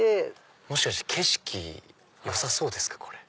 もしかして景色よさそうですか？